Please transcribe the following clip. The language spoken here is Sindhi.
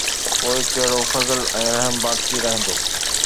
پوءِ ڪهڙو فضل ۽ رحم باقي رهندو؟